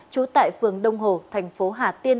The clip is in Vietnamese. chú tại phường đông hồ thành phố hà tiên